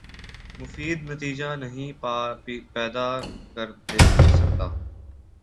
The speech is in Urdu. مفید نتیجہ نہیں پیدا کر سکتا